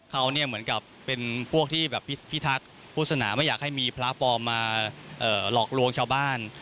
เขาเหมือนกับเป็นพวกที่พิทักษ์พุทธนาไม่อยากให้มีพระปอมมาหลอกลวงชาวบ้าน